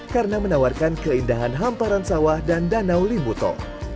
karena menawarkan keindahan hamparan sawah dan danau limbuto